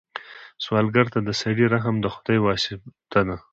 سوالګر ته د سړي رحم د خدای واسطه ده